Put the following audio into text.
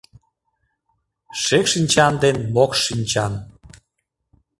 Шекш шинчан ден мокш шинчан